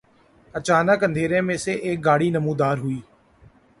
اچانک اندھیرے میں سے ایک گاڑی نمودار ہوئی